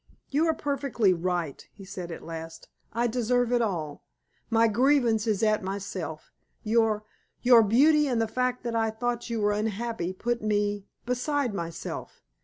"You are perfectly right," he said at last. "I deserve it all. My grievance is at myself. Your your beauty, and the fact that I thought you were unhappy, put me beside myself.